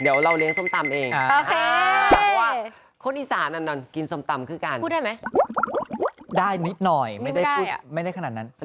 ยังไม่ได้สัมตำกัน